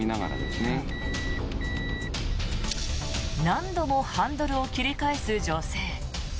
何度もハンドルを切り返す女性。